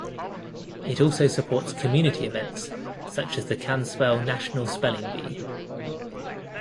It also supports community events such as the Canspell National Spelling Bee.